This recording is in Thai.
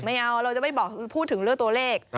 ไม่เอาเราจะไม่บอกพูดถึงเรื่องตัวเลข